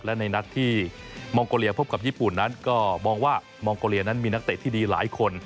และในนัดที่มองโกเลียพบกับญี่ปุ่นนั้นก็มองว่ามองโกเลียนั้นมีนักเตะที่ดีหลายคน